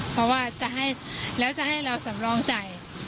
เพราะว่าจะให้แล้วจะให้เราสำรองจ่าย